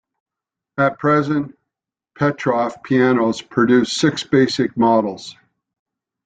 At present, Petrof pianos produce six basic models.